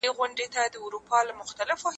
په شوال مياشت کي مو يوې خواته سفر درلود.